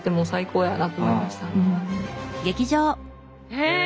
へえ！